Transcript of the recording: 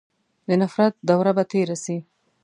د نفرت دوره به تېره سي.